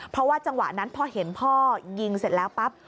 เพราะว่าจังหวะนั้นพอเห็นพ่อยิงเสร็จแล้วปั๊บ